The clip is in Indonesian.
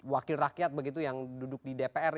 wakil rakyat begitu yang duduk di dpr